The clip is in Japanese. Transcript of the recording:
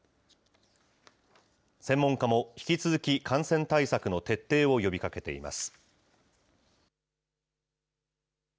専門家も、引き続き感染対策の徹底を呼びかけています。